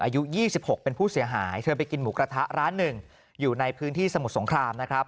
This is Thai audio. อายุ๒๖เป็นผู้เสียหายเธอไปกินหมูกระทะร้านหนึ่งอยู่ในพื้นที่สมุทรสงครามนะครับ